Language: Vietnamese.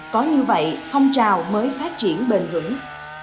có như vậy phong trào mới phát triển bền vững